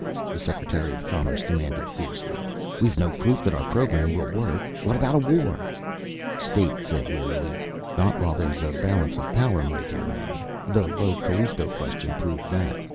the Secretary of Commerce demanded fiercely. "We've no proof that our program will work. What about a war?" State said wearily: "Not while there's a balance of power, my dear man. The Io Callisto Question proved that.